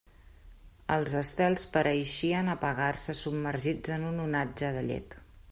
Els estels pareixien apagar-se submergits en un onatge de llet.